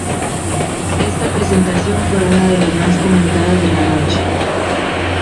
Esta presentación fue una de las más comentadas de la noche.